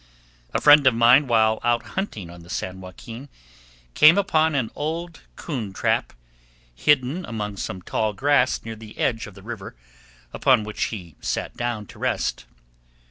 A friend of mine, while out hunting on the San Joaquin, came upon an old coon trap, hidden among some tall grass, near the edge of the river, upon which he sat down to rest.